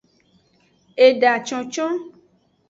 Eda concon.